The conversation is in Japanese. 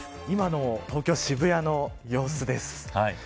今の東京、渋谷の様子です。